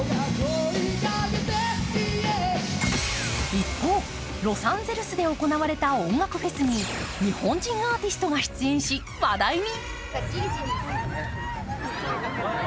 一方、ロサンゼルスで行われた音楽フェスに日本人アーティストが出演し、話題に。